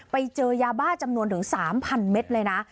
ไปเจอยาบ้าจำนวนถึง๓๐๐เมตรเลยนะ